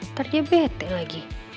ntar dia bete lagi